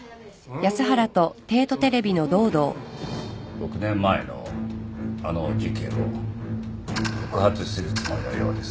６年前のあの事件を告発するつもりのようです。